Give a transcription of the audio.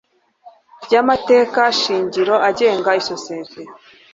ry amategeko shingiro agenga isosiyete